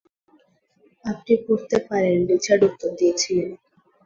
"আপনি পড়তে পারেন," রিচার্ড উত্তর দিয়েছিলেন।